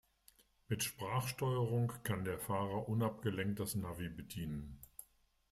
Mit Sprachsteuerung kann der Fahrer unabgelenkt das Navi bedienen.